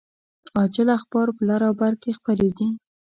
عاجل اخبار په لر او بر کې خپریږي